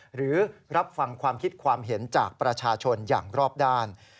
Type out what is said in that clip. หรือรับฟังความคิดความเห็นจากประชาชนอย่างรอบด้าน